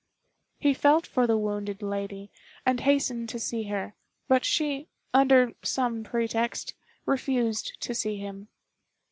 He felt for the wounded lady, and hastened to see her; but she, under some pretext, refused to see him.